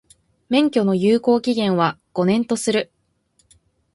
免許の有効期間は、五年とする。